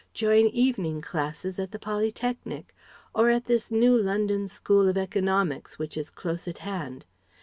join evening classes at the Polytechnic? or at this new London School of Economics which is close at hand?